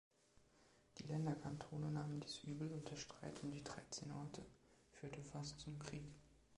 Die Länderkantone nahmen dies übel, und der Streit um die Dreizehn Orte führte fast zum Krieg.